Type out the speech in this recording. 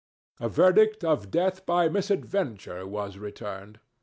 A verdict of death by misadventure was returned.